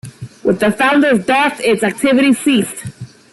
With the founder's death, its activities ceased.